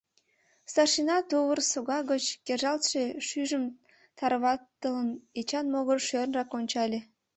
Старшина, тувыр сога гоч кержалтше шӱйжым тарватылын, Эчан могырыш шӧрынрак ончале.